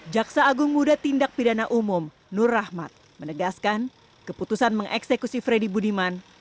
jaksa agung muda tindak pidana umum nur rahmat menegaskan keputusan mengeksekusi freddy budiman